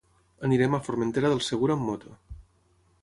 Anirem a Formentera del Segura amb moto.